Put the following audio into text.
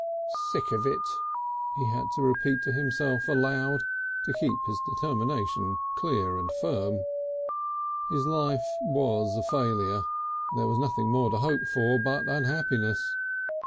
"Sick of it," he had to repeat to himself aloud, to keep his determination clear and firm. His life was a failure, there was nothing more to hope for but unhappiness.